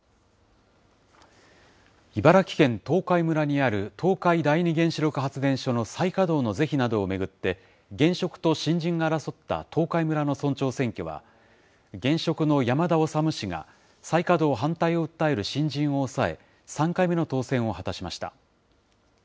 茨城県東海村にある東海第二原子力発電所の再稼働の是非などを巡って、現職と新人が争った東海村の村長選挙は、現職の山田修氏が、再稼働反対を訴える新人を抑え、３回目の当選を果たしました。